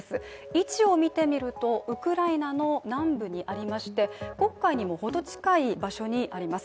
位置を見てみるとウクライナの南部にありまして、黒海にもほど近い場所にあります。